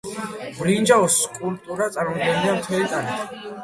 ბრინჯაოს სკულპტურა წარმოდგენილია მთელი ტანით.